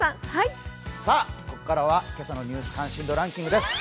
ここからは今朝のニュース関心度ランキングです。